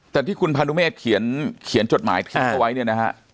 แต่ที่คุณพานุเมฆเขียนจดหมายทิ้งเอาไว้เนี่ยนะฮะ